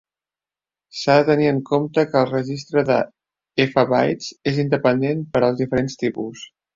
S'ha de tenir en compte que el registre de "F" bytes és independent per als diferents tipus.